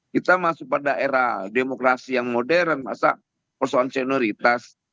kita masuk pada era demokrasi yang modern masa persoalan senioritas